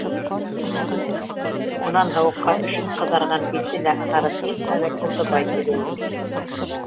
Унан һыуыҡҡа өшөп ҡыҙарған бите лә ағарып етмәгән Юлдыбай килеп инде.